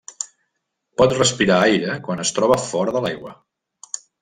Pot respirar aire quan es troba fora de l'aigua.